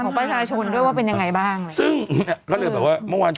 ของประชาชนด้วยว่าเป็นยังไงบ้างซึ่งเขาเลยบอกว่า